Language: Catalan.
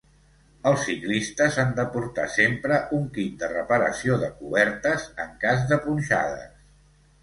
Els ciclistes han de portar sempre un kit de reparació de cobertes, en cas de punxades